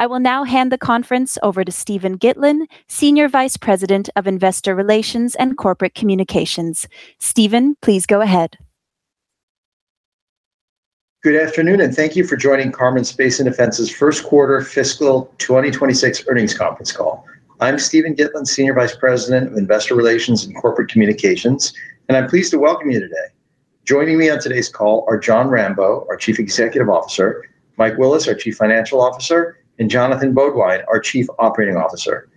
I will now hand the conference over to Steven Gitlin, Senior Vice President of Investor Relations and Corporate Communications. Steven, please go ahead. Good afternoon. Thank you for joining Karman Space & Defense's Q1 fiscal 2026 earnings conference call. I'm Steven Gitlin, Senior Vice President of Investor Relations and Corporate Communications. I'm pleased to welcome you today. Joining me on today's call are Jon Rambeau, our Chief Executive Officer, Mike Willis, our Chief Financial Officer, and Jonathan Beaudoin, our Chief Operating Officer.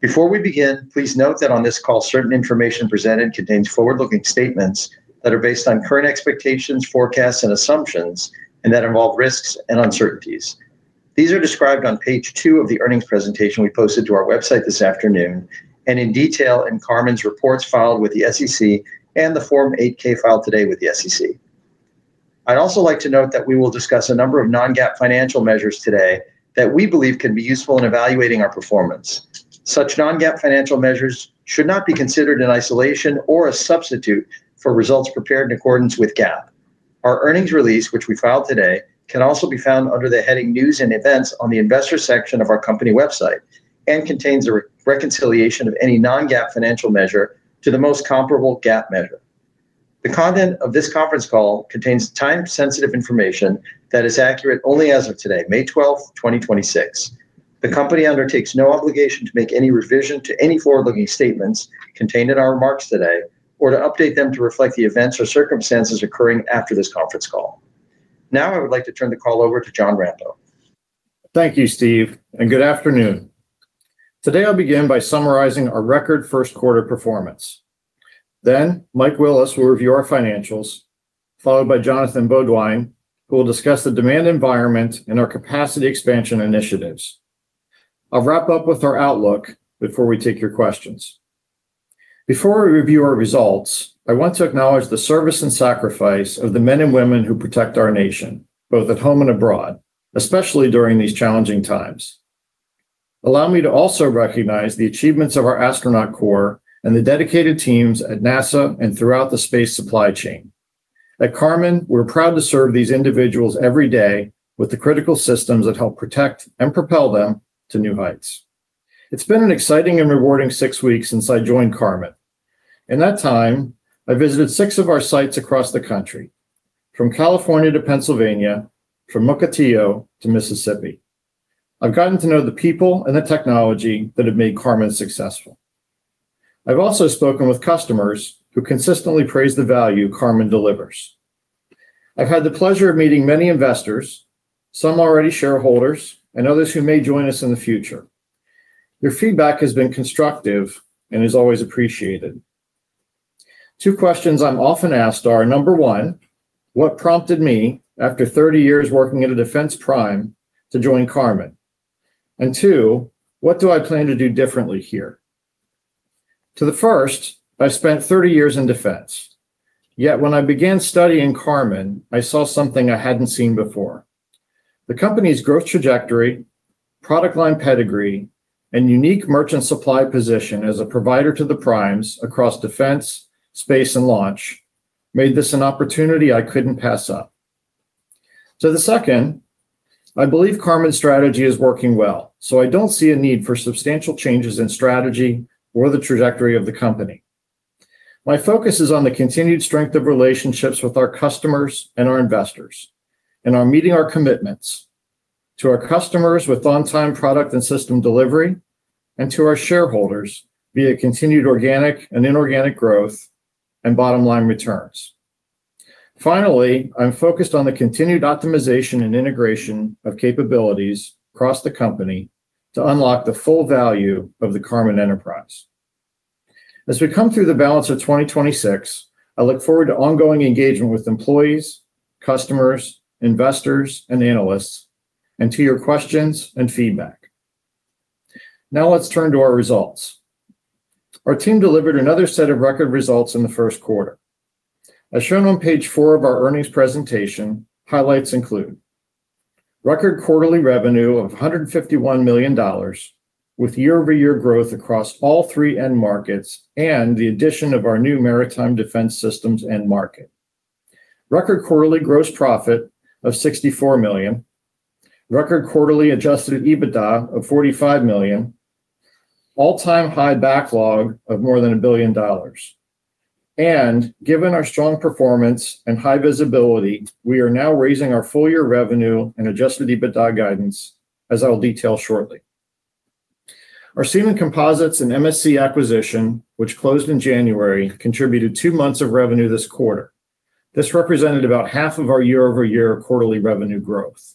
Before we begin, please note that on this call, certain information presented contains forward-looking statements that are based on current expectations, forecasts, and assumptions, and that involve risks and uncertainties. These are described on page 2 of the earnings presentation we posted to our website this afternoon, and in detail in Karman's reports filed with the SEC and the Form 8-K filed today with the SEC. I'd also like to note that we will discuss a number of non-GAAP financial measures today that we believe can be useful in evaluating our performance. Such non-GAAP financial measures should not be considered in isolation or a substitute for results prepared in accordance with GAAP. Our earnings release, which we filed today, can also be found under the heading News & Events on the Investors section of our company website, and contains a reconciliation of any non-GAAP financial measure to the most comparable GAAP measure. The content of this conference call contains time-sensitive information that is accurate only as of today, May 12th, 2026. The company undertakes no obligation to make any revision to any forward-looking statements contained in our remarks today or to update them to reflect the events or circumstances occurring after this conference call. Now I would like to turn the call over to Jon Rambeau. Thank you, Steven Gitlin. Good afternoon. Today I'll begin by summarizing our record Q1 performance. Mike Willis will review our financials, followed by Jonathan Beaudoin, who will discuss the demand environment and our capacity expansion initiatives. I'll wrap up with our outlook before we take your questions. Before we review our results, I want to acknowledge the service and sacrifice of the men and women who protect our nation, both at home and abroad, especially during these challenging times. Allow me to also recognize the achievements of our astronaut corps and the dedicated teams at NASA and throughout the space supply chain. At Karman, we're proud to serve these individuals every day with the critical systems that help protect and propel them to new heights. It's been an exciting and rewarding six weeks since I joined Karman. In that time, I visited six of our sites across the country, from California to Pennsylvania, from Mukilteo to Mississippi. I've gotten to know the people and the technology that have made Karman successful. I've also spoken with customers who consistently praise the value Karman delivers. I've had the pleasure of meeting many investors, some already shareholders, and others who may join us in the future. Your feedback has been constructive and is always appreciated. Two questions I'm often asked are, number one, what prompted me, after 30 years working at a defense prime, to join Karman? Two, what do I plan to do differently here? To the first, I've spent 30 years in defense, yet when I began studying Karman, I saw something I hadn't seen before. The company's growth trajectory, product line pedigree, and unique merchant supply position as a provider to the primes across defense, space, and launch made this an opportunity I couldn't pass up. To the second, I believe Karman's strategy is working well, so I don't see a need for substantial changes in strategy or the trajectory of the company. My focus is on the continued strength of relationships with our customers and our investors, and on meeting our commitments to our customers with on-time product and system delivery and to our shareholders via continued organic and inorganic growth and bottom-line returns. Finally, I'm focused on the continued optimization and integration of capabilities across the company to unlock the full value of the Karman enterprise. As we come through the balance of 2026, I look forward to ongoing engagement with employees, customers, investors, and analysts, and to your questions and feedback. Let's turn to our results. Our team delivered another set of record results in the Q1. As shown on page 4 of our earnings presentation, highlights include: record quarterly revenue of $151 million with year-over-year growth across all three end markets and the addition of our new maritime defense systems end market, record quarterly gross profit of $64 million, record quarterly adjusted EBITDA of $45 million, all-time high backlog of more than $1 billion. Given our strong performance and high visibility, we are now raising our full-year revenue and adjusted EBITDA guidance, as I will detail shortly. Our Seemann Composites and Materials Sciences Corporation acquisition, which closed in January, contributed 2 months of revenue this quarter. This represented about half of our year-over-year quarterly revenue growth.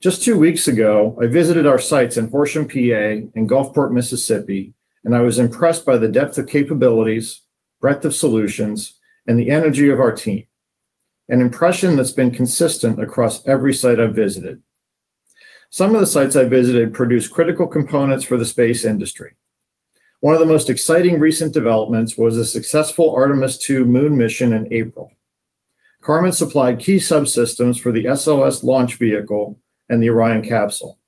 Just two weeks ago, I visited our sites in Horsham, P.A., and Gulfport, Mississippi, and I was impressed by the depth of capabilities, breadth of solutions, and the energy of our team, an impression that's been consistent across every site I've visited. Some of the sites I visited produce critical components for the space industry. One of the most exciting recent developments was the successful Artemis II moon mission in April. Karman supplied key subsystems for the SLS launch vehicle and the Orion capsule.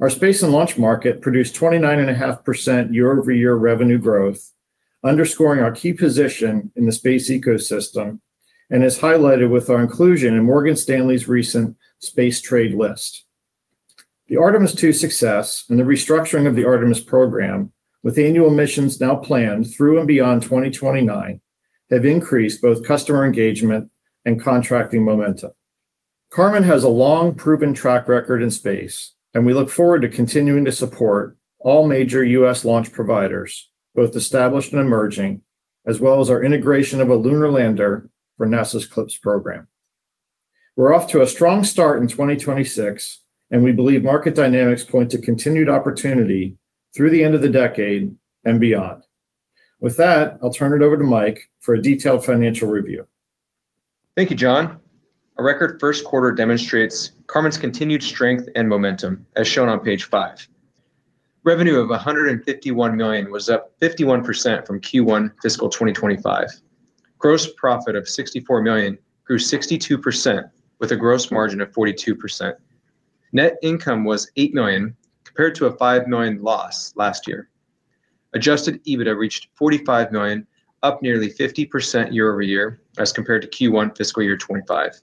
Our space and launch market produced 29.5% year-over-year revenue growth Underscoring our key position in the space ecosystem, and as highlighted with our inclusion in Morgan Stanley's recent space trade list. The Artemis II success and the restructuring of the Artemis program, with annual missions now planned through and beyond 2029, have increased both customer engagement and contracting momentum. Karman has a long-proven track record in space, and we look forward to continuing to support all major U.S. launch providers, both established and emerging, as well as our integration of a lunar lander for NASA's CLPS program. We're off to a strong start in 2026, and we believe market dynamics point to continued opportunity through the end of the decade and beyond. With that, I'll turn it over to Mike for a detailed financial review. Thank you, Jon. Our record Q1 demonstrates Karman's continued strength and momentum, as shown on page 5. Revenue of $151 million was up 51% from Q1 fiscal 2025. Gross profit of $64 million grew 62% with a gross margin of 42%. Net income was $8 million, compared to a $5 million loss last year. Adjusted EBITDA reached $45 million, up nearly 50% year-over-year as compared to Q1 fiscal year 2025.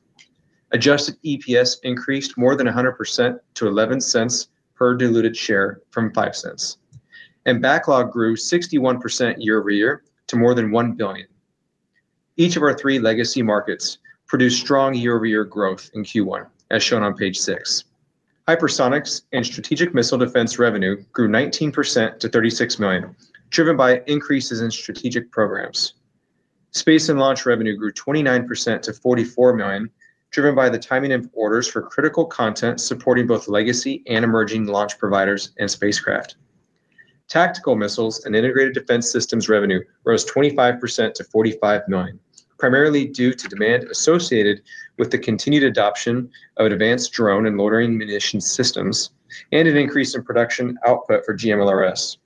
Adjusted EPS increased more than 100% to $0.11 per diluted share from $0.05. Backlog grew 61% year-over-year to more than $1 billion. Each of our three legacy markets produced strong year-over-year growth in Q1, as shown on page 6. Hypersonics and Strategic Missile Defense revenue grew 19% to $36 million, driven by increases in strategic programs. Space and launch revenue grew 29% to $44 million, driven by the timing of orders for critical content supporting both legacy and emerging launch providers and spacecraft. Tactical missiles and integrated defense systems revenue rose 25% to $45 million, primarily due to demand associated with the continued adoption of advanced drone and loitering munitions systems and an increase in production output for GMLRS.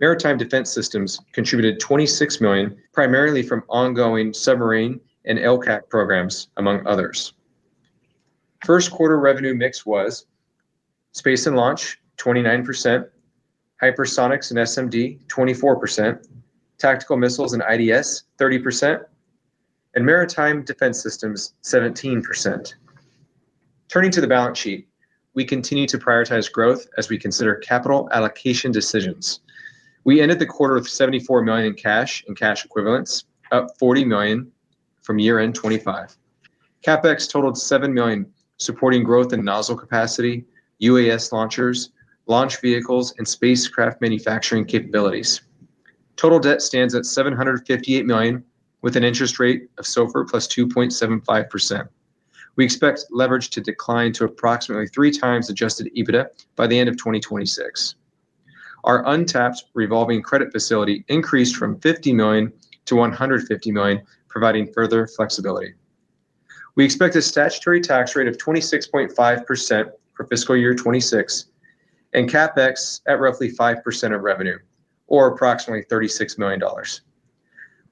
Maritime defense systems contributed $26 million, primarily from ongoing submarine and LCAC programs, among others. Q1 revenue mix was space and launch, 29%, hypersonics and SMD, 24%, tactical missiles and IDS, 30%, and maritime defense systems, 17%. Turning to the balance sheet, we continue to prioritize growth as we consider capital allocation decisions. We ended the quarter with $74 million in cash and cash equivalents, up $40 million from year-end 2025. CapEx totaled $7 million, supporting growth in nozzle capacity, UAS launchers, launch vehicles, and spacecraft manufacturing capabilities. Total debt stands at $758 million, with an interest rate of SOFR plus 2.75%. We expect leverage to decline to approximately 3x adjusted EBITDA by the end of 2026. Our untapped revolving credit facility increased from $50 million to $150 million, providing further flexibility. We expect a statutory tax rate of 26.5% for fiscal year 2026 and CapEx at roughly 5% of revenue, or approximately $36 million.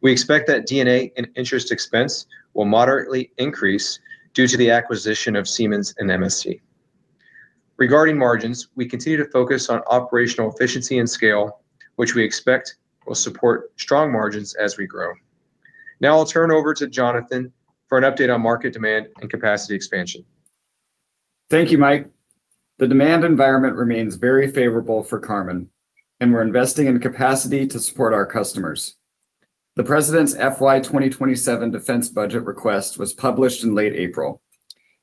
We expect that D&A and interest expense will moderately increase due to the acquisition of Seemann and MSC. Regarding margins, we continue to focus on operational efficiency and scale, which we expect will support strong margins as we grow. Now I'll turn over to Jonathan for an update on market demand and capacity expansion. Thank you, Mike. The demand environment remains very favorable for Karman, and we're investing in capacity to support our customers. The President's FY 2027 defense budget request was published in late April.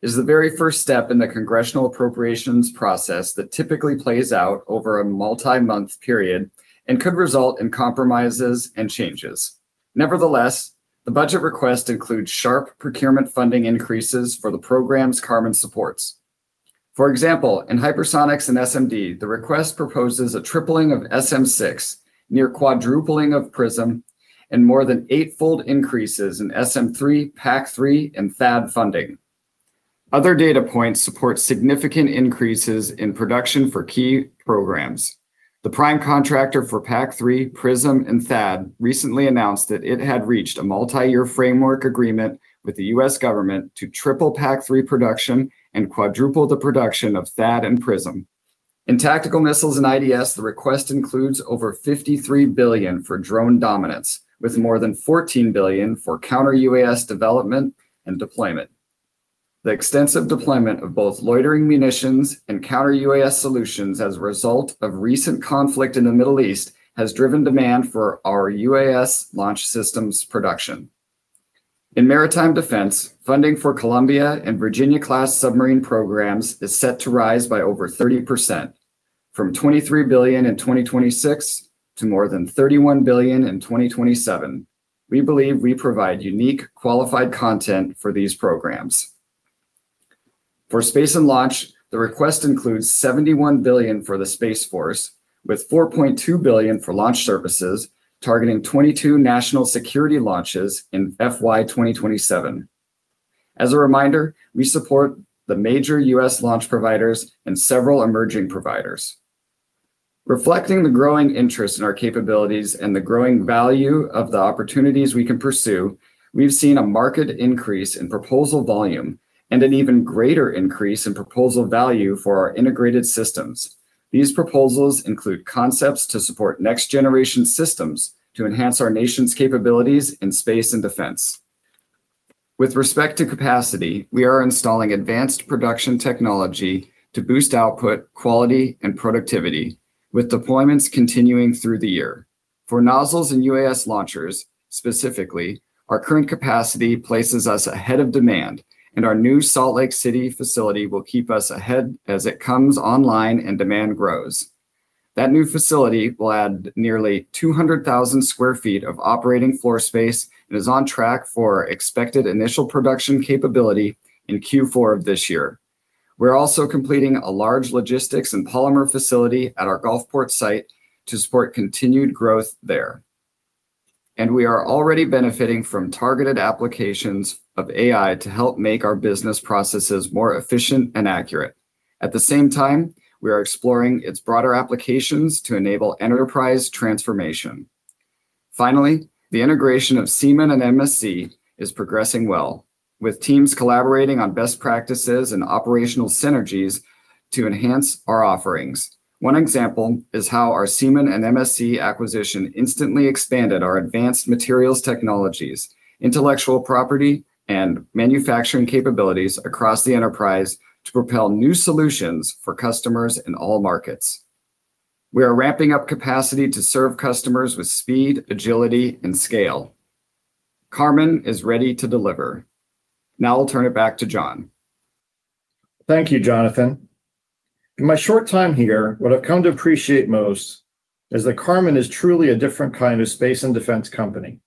It is the very first step in the congressional appropriations process that typically plays out over a multi-month period and could result in compromises and changes. Nevertheless, the budget request includes sharp procurement funding increases for the programs Karman supports. For example, in Hypersonics and SMD, the request proposes a tripling of SM-6, near quadrupling of Prism, and more than eight-fold increases in SM-3, PAC-3, and THAAD funding. Other data points support significant increases in production for key programs. The prime contractor for PAC-3, Prism, and THAAD recently announced that it had reached a multi-year framework agreement with the U.S. government to triple PAC-3 production and quadruple the production of THAAD and Prism. In tactical missiles and IDS, the request includes over $53 billion for drone dominance, with more than $14 billion for Counter-UAS development and deployment. The extensive deployment of both loitering munitions and Counter-UAS solutions as a result of recent conflict in the Middle East has driven demand for our UAS launch systems production. In maritime defense, funding for Columbia-class and Virginia-class submarine programs is set to rise by over 30%, from $23 billion in 2026 to more than $31 billion in 2027. We believe we provide unique, qualified content for these programs. For space and launch, the request includes $71 billion for the Space Force, with $4.2 billion for launch services, targeting 22 national security launches in FY 2027. As a reminder, we support the major U.S. launch providers and several emerging providers. Reflecting the growing interest in our capabilities and the growing value of the opportunities we can pursue, we've seen a marked increase in proposal volume and an even greater increase in proposal value for our integrated systems. These proposals include concepts to support next-generation systems to enhance our nation's capabilities in space and defense. With respect to capacity, we are installing advanced production technology to boost output, quality, and productivity, with deployments continuing through the year. For nozzles and UAS launchers, specifically, our current capacity places us ahead of demand, and our new Salt Lake City facility will keep us ahead as it comes online and demand grows. That new facility will add nearly 200,000 square feet of operating floor space, and is on track for expected initial production capability in Q4 of this year. We're also completing a large logistics and polymer facility at our Gulfport site to support continued growth there. We are already benefiting from targeted applications of AI to help make our business processes more efficient and accurate. At the same time, we are exploring its broader applications to enable enterprise transformation. Finally, the integration of Seemann and MSC is progressing well, with teams collaborating on best practices and operational synergies to enhance our offerings. One example is how our Seemann and MSC acquisition instantly expanded our advanced materials technologies, intellectual property, and manufacturing capabilities across the enterprise to propel new solutions for customers in all markets. We are ramping up capacity to serve customers with speed, agility, and scale. Karman is ready to deliver. I'll turn it back to Jon. Thank you, Jonathan. In my short time here, what I've come to appreciate most is that Karman is truly a different kind of space and defense company,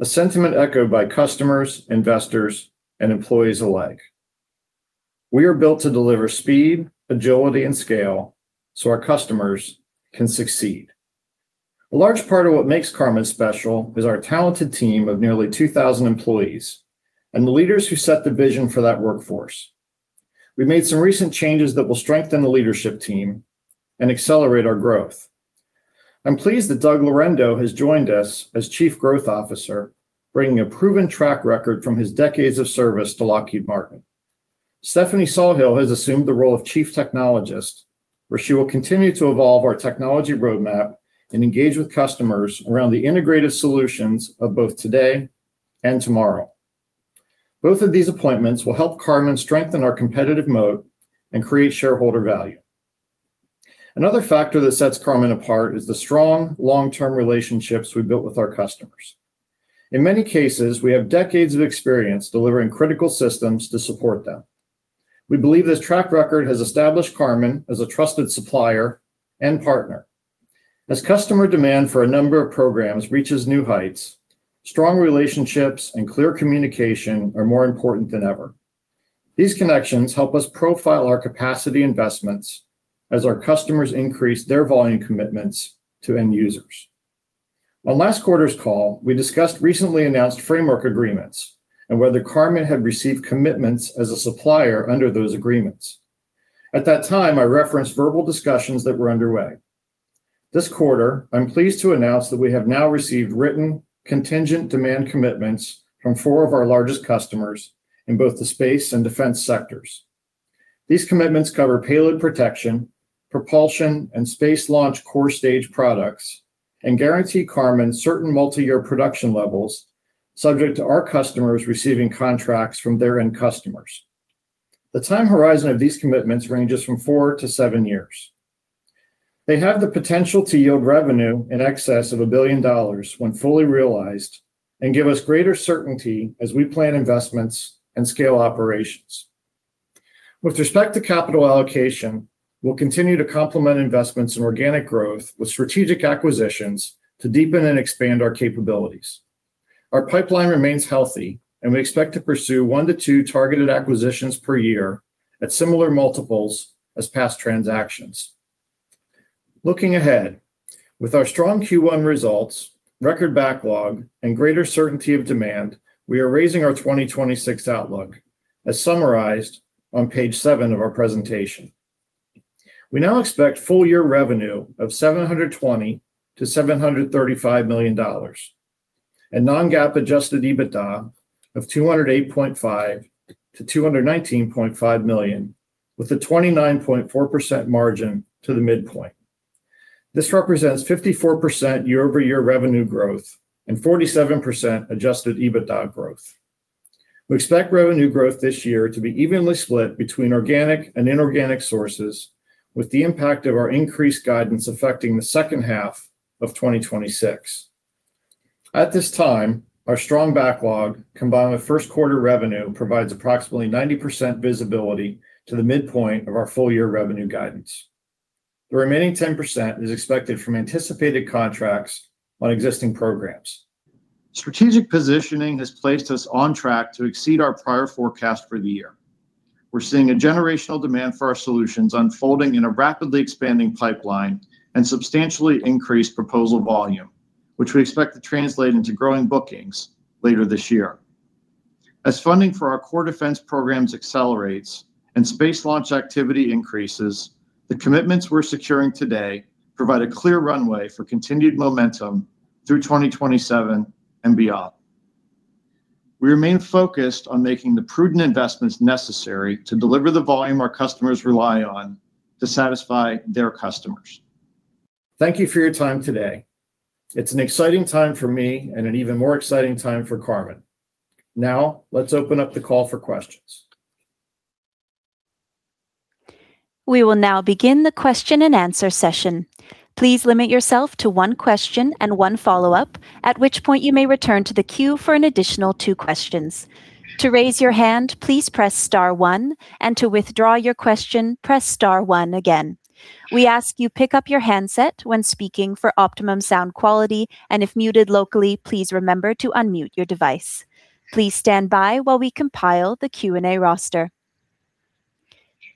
a sentiment echoed by customers, investors, and employees alike. We are built to deliver speed, agility, and scale so our customers can succeed. A large part of what makes Karman special is our talented team of nearly 2,000 employees, and the leaders who set the vision for that workforce. We've made some recent changes that will strengthen the leadership team and accelerate our growth. I'm pleased that Jessen Wehrwein has joined us as Chief Growth Officer, bringing a proven track record from his decades of service to Lockheed Martin. Stephanie Sawhill has assumed the role of Chief Technologist, where she will continue to evolve our technology roadmap and engage with customers around the integrated solutions of both today and tomorrow. Both of these appointments will help Karman strengthen our competitive mode and create shareholder value. Another factor that sets Karman apart is the strong long-term relationships we've built with our customers. In many cases, we have decades of experience delivering critical systems to support them. We believe this track record has established Karman as a trusted supplier and partner. Customer demand for a number of programs reaches new heights, strong relationships and clear communication are more important than ever. These connections help us profile our capacity investments as our customers increase their volume commitments to end users. On last quarter's call, we discussed recently announced framework agreements and whether Karman had received commitments as a supplier under those agreements. At that time, I referenced verbal discussions that were underway. This quarter, I'm pleased to announce that we have now received written contingent demand commitments from four of our largest customers in both the space and defense sectors. These commitments cover payload protection, propulsion, and space launch core stage products, and guarantee Karman certain multi-year production levels, subject to our customers receiving contracts from their end customers. The time horizon of these commitments ranges from four-seven years. They have the potential to yield revenue in excess of $1 billion when fully realized and give us greater certainty as we plan investments and scale operations. With respect to capital allocation, we'll continue to complement investments in organic growth with strategic acquisitions to deepen and expand our capabilities. We expect to pursue one-two targeted acquisitions per year at similar multiples as past transactions. Looking ahead, with our strong Q1 results, record backlog, and greater certainty of demand, we are raising our 2026 outlook, as summarized on page 7 of our presentation. We now expect full-year revenue of $720 million-$735 million, and non-GAAP adjusted EBITDA of $208.5 million-$219.5 million, with a 29.4% margin to the midpoint. This represents 54% year-over-year revenue growth and 47% adjusted EBITDA growth. We expect revenue growth this year to be evenly split between organic and inorganic sources, with the impact of our increased guidance affecting the second half of 2026. At this time, our strong backlog, combined with Q1 revenue, provides approximately 90% visibility to the midpoint of our full-year revenue guidance. The remaining 10% is expected from anticipated contracts on existing programs. Strategic positioning has placed us on track to exceed our prior forecast for the year. We're seeing a generational demand for our solutions unfolding in a rapidly expanding pipeline and substantially increased proposal volume, which we expect to translate into growing bookings later this year. As funding for our core defense programs accelerates and space launch activity increases, the commitments we're securing today provide a clear runway for continued momentum through 2027 and beyond. We remain focused on making the prudent investments necessary to deliver the volume our customers rely on to satisfy their customers. Thank you for your time today. It's an exciting time for me, and an even more exciting time for Karman. Let's open up the call for questions.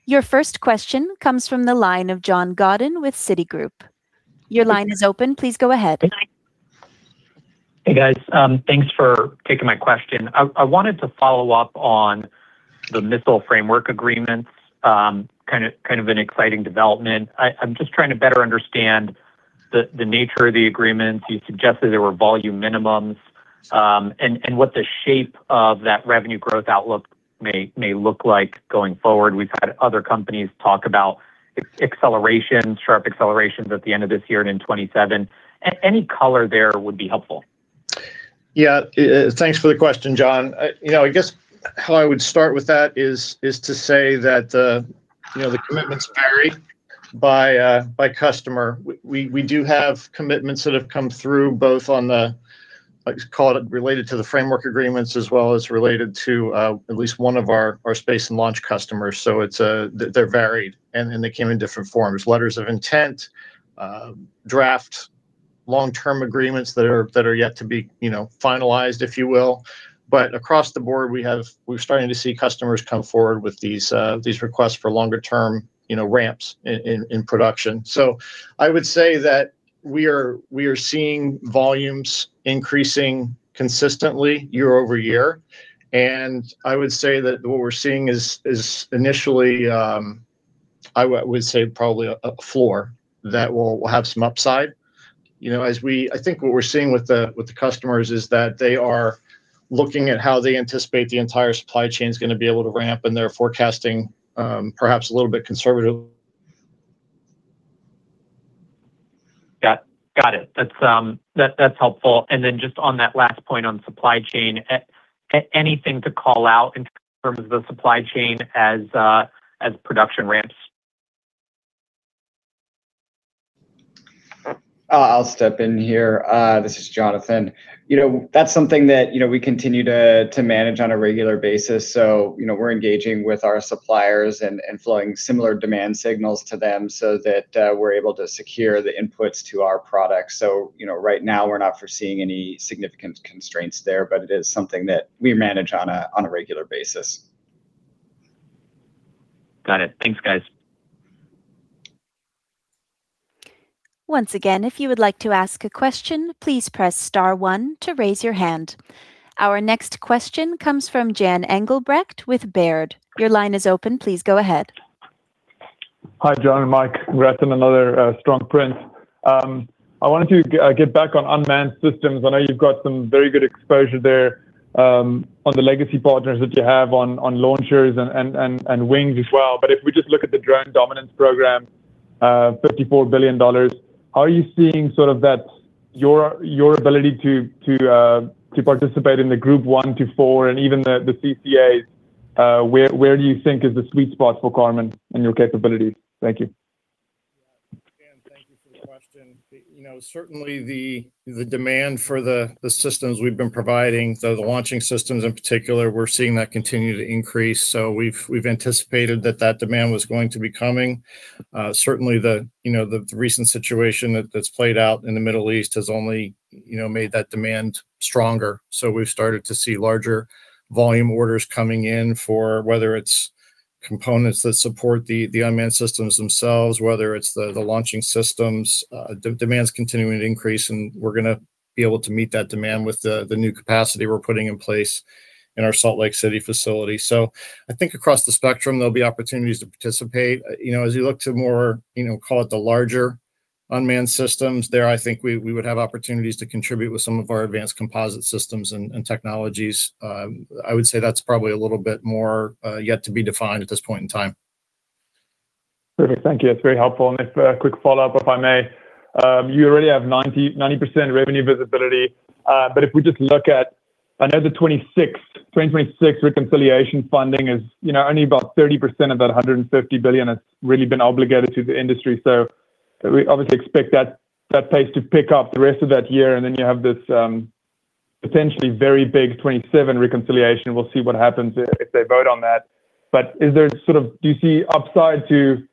Your first question comes from the line of John Godden with Citigroup. Your line is open. Please go ahead. Hey, guys. Thanks for taking my question. I wanted to follow up on the missile framework agreements. Kind of an exciting development. I'm just trying to better understand the nature of the agreements. You suggested there were volume minimums, and what the shape of that revenue growth outlook may look like going forward. We've had other companies talk about acceleration, sharp accelerations at the end of this year and in 2027. Any color there would be helpful. Yeah. Thanks for the question, John. You know, I guess how I would start with that is to say that, you know, the commitments vary by customer. We do have commitments that have come through both on the, let's call it related to the framework agreements, as well as related to at least one of our space and launch customers. It's, they're varied and they come in different forms. Letters of intent, draft long-term agreements that are yet to be, you know, finalized, if you will. Across the board, we're starting to see customers come forward with these requests for longer term, you know, ramps in production. I would say that we are seeing volumes increasing consistently year-over-year. I would say that what we're seeing is initially, I would say probably a floor that will have some upside. You know, I think what we're seeing with the customers is that they are looking at how they anticipate the entire supply chain's gonna be able to ramp, and they're forecasting perhaps a little bit conservative. Got it. That's helpful. Just on that last point on supply chain. Anything to call out in terms of the supply chain as production ramps? I'll step in here. This is Jonathan. You know, that's something that, you know, we continue to manage on a regular basis. You know, we're engaging with our suppliers and flowing similar demand signals to them so that we're able to secure the inputs to our products. You know, right now we're not foreseeing any significant constraints there, but it is something that we manage on a regular basis. Got it. Thanks, guys. Once again, if you would like to ask a question, please press star 1 to raise your hand. Our next question comes from Jan-Frans Engelbrecht with Baird. Your line is open. Please go ahead. Hi, Jon and Mike. Congrats on another strong print. I wanted to get back on unmanned systems. I know you've got some very good exposure there on the legacy partners that you have on launchers and wings as well. If we just look at the drone dominance program, $54 billion. Are you seeing sort of that your ability to participate in the group one to four and even the CCAs? Where do you think is the sweet spot for Karman and your capabilities? Thank you. Jan, thank you for the question. You know, certainly the demand for the systems we've been providing, the launching systems in particular, we're seeing that continue to increase. We've anticipated that that demand was going to be coming. Certainly the, you know, the recent situation that's played out in the Middle East has only, you know, made that demand stronger. We've started to see larger volume orders coming in for whether it's components that support the unmanned systems themselves, whether it's the launching systems. Demand's continuing to increase, and we're gonna be able to meet that demand with the new capacity we're putting in place in our Salt Lake City facility. I think across the spectrum, there'll be opportunities to participate. You know, as you look to more, you know, call it the larger unmanned systems there, I think we would have opportunities to contribute with some of our advanced composite systems and technologies. I would say that's probably a little bit more, yet to be defined at this point in time. Perfect. Thank you. That's very helpful. A quick follow-up, if I may. You already have 90% revenue visibility. If we just look at, I know the 2026 reconciliation funding is, you know, only about 30% of that $150 billion has really been obligated to the industry. We obviously expect that pace to pick up the rest of that year, and then you have this potentially very big 27 reconciliation. We'll see what happens if they vote on that. Is there sort of, do you see upside to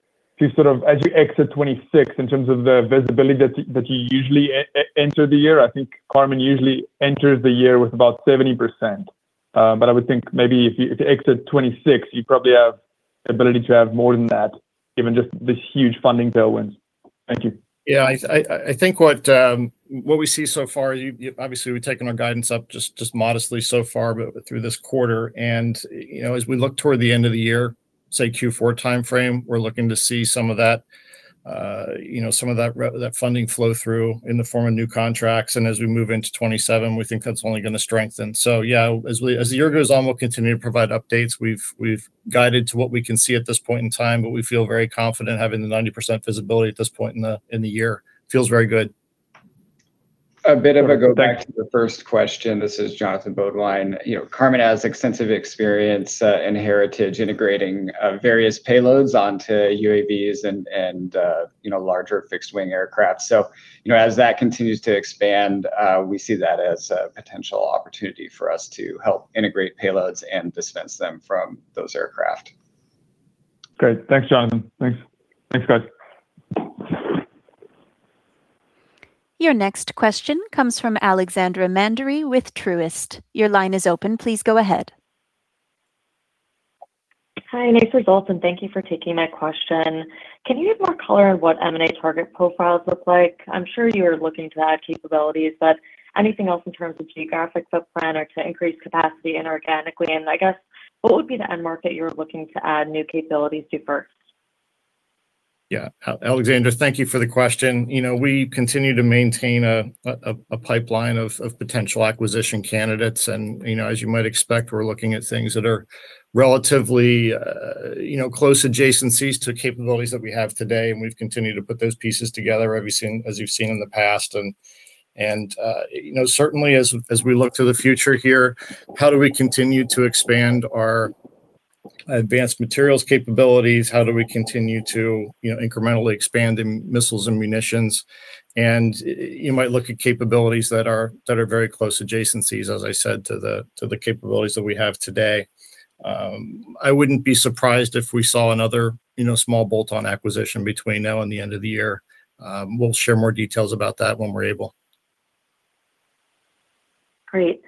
sort of as you exit 2026 in terms of the visibility that you usually enter the year? I think Karman usually enters the year with about 70%. I would think maybe if you exit 2026, you probably have ability to have more than that, given just this huge funding tailwind. Thank you. I think what we see so far, obviously, we've taken our guidance up modestly so far, but through this quarter. You know, as we look toward the end of the year, say Q4 timeframe, we're looking to see some of that, you know, that funding flow through in the form of new contracts. As we move into 2027, we think that's only gonna strengthen. As the year goes on, we'll continue to provide updates. We've guided to what we can see at this point in time, we feel very confident having the 90% visibility at this point in the year. Feels very good. A bit of a go back to the first question. This is Jonathan Beaudoin. You know, Karman has extensive experience in heritage integrating various payloads onto UAVs and, you know, larger fixed wing aircraft. You know, as that continues to expand, we see that as a potential opportunity for us to help integrate payloads and dispense them from those aircraft. Great. Thanks, Jonathan. Thanks. Thanks, guys. Your next question comes from Alexandra Mandery with Truist Securities. Your line is open. Please go ahead. Hi, nice results. Thank you for taking my question. Can you give more color on what M&A target profiles look like? I'm sure you're looking to add capabilities, anything else in terms of geographic footprint or to increase capacity inorganically? I guess, what would be the end market you're looking to add new capabilities to first? Yeah. Alexandra, thank you for the question. You know, we continue to maintain a pipeline of potential acquisition candidates. You know, as you might expect, we're looking at things that are relatively, you know, close adjacencies to capabilities that we have today, and we've continued to put those pieces together, obviously, as you've seen in the past. You know, certainly as we look to the future here, how do we continue to expand our advanced materials capabilities? How do we continue to, you know, incrementally expand in missiles and munitions? You might look at capabilities that are very close adjacencies, as I said, to the capabilities that we have today. I wouldn't be surprised if we saw another, you know, small bolt-on acquisition between now and the end of the year. We'll share more details about that when we're able. Great.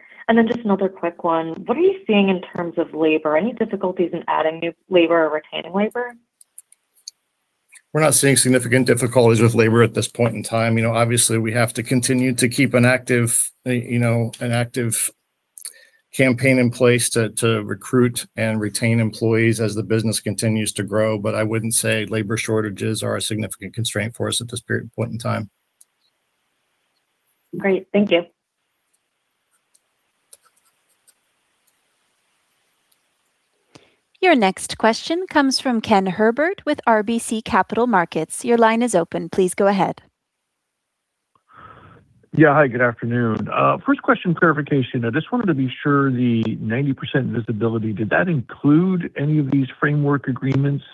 Just another quick one. What are you seeing in terms of labor? Any difficulties in adding new labor or retaining labor? We're not seeing significant difficulties with labor at this point in time. You know, obviously, we have to continue to keep an active campaign in place to recruit and retain employees as the business continues to grow. I wouldn't say labor shortages are a significant constraint for us at this point in time. Great. Thank you. Your next question comes from Ken Herbert with RBC Capital Markets. Your line is open. Please go ahead. Yeah. Hi, good afternoon. First question, clarification. I just wanted to be sure the 90% visibility, did that include any of these framework agreements,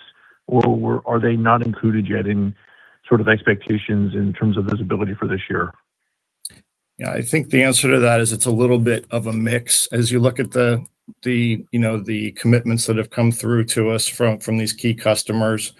or are they not included yet in sort of expectations in terms of visibility for this year? Yeah. I think the answer to that is it's a little bit of a mix. As you look at the, you know, the commitments that have come through to us from these key customers,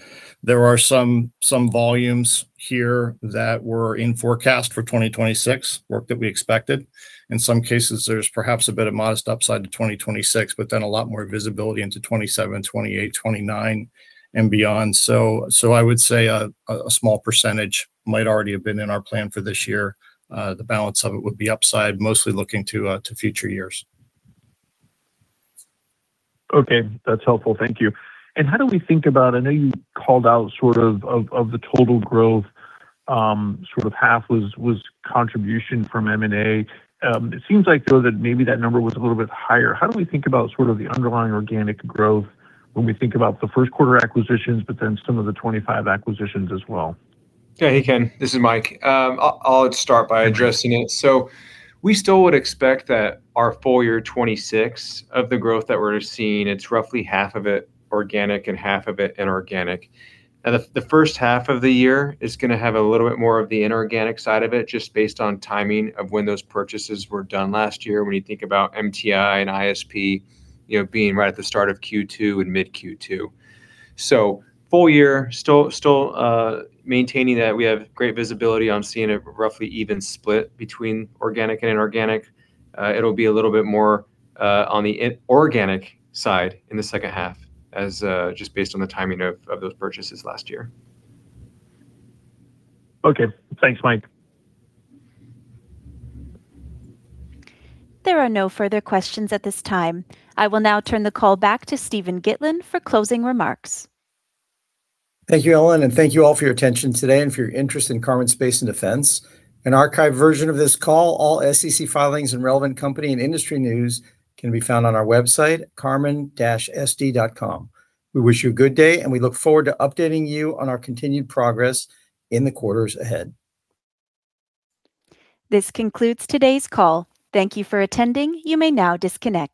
there are some volumes here that were in forecast for 2026, work that we expected. In some cases, there's perhaps a bit of modest upside to 2026, but then a lot more visibility into 2027, 2028, 2029 and beyond. I would say a small percentage might already have been in our plan for this year. The balance of it would be upside, mostly looking to future years. Okay. That's helpful. Thank you. How do we think about I know you called out sort of the total growth, sort of half was contribution from M&A. It seems like, though, that maybe that number was a little bit higher. How do we think about sort of the underlying organic growth when we think about the Q1 acquisitions, but then some of the 2025 acquisitions as well? Yeah. Hey, Ken, this is Mike. I'll start by addressing it. We still would expect that our full year 2026 of the growth that we're seeing, it's roughly half of it organic and half of it inorganic. The first half of the year is gonna have a little bit more of the inorganic side of it, just based on timing of when those purchases were done last year, when you think about MTI and ISP, you know, being right at the start of Q2 and mid-Q2. Full year, still maintaining that. We have great visibility on seeing a roughly even split between organic and inorganic. It'll be a little bit more on the inorganic side in the second half as just based on the timing of those purchases last year. Okay. Thanks, Mike. There are no further questions at this time. I will now turn the call back to Steven Gitlin for closing remarks. Thank you, Ellen, thank you all for your attention today and for your interest in Karman Space & Defense. An archived version of this call, all SEC filings, and relevant company and industry news can be found on our website, karman-sd.com. We wish you a good day, and we look forward to updating you on our continued progress in the quarters ahead. This concludes today's call. Thank you for attending. You may now disconnect.